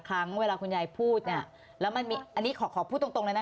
ครั้งเวลาคุณยายพูดเนี่ยแล้วมันมีอันนี้ขอขอพูดตรงเลยนะ